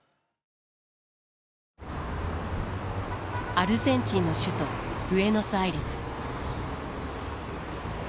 アルゼンチンの首都ブエノスアイレス。